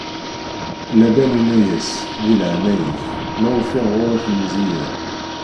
Laban inna-as: Di leɛnaya-k, ma ufiɣ ɣur-k lemzeyya.